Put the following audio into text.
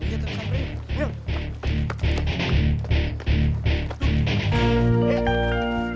lihat tuh sampai